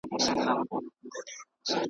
له نسیم سره زګېروئ د جانان راغی .